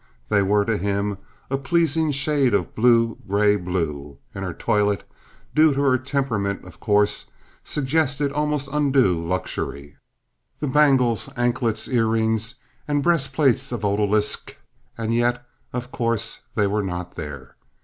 They were, to him, a pleasing shade of blue gray blue, and her toilet, due to her temperament, of course, suggested almost undue luxury, the bangles, anklets, ear rings, and breast plates of the odalisque, and yet, of course, they were not there.